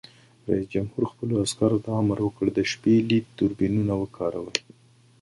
رئیس جمهور خپلو عسکرو ته امر وکړ؛ د شپې لید دوربینونه وکاروئ!